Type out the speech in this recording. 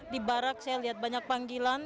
di barak saya lihat banyak panggilan